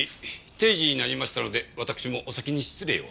定時になりましたのでわたくしもお先に失礼を。